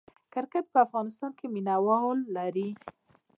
کرکټ په افغانستان کې مینه وال لري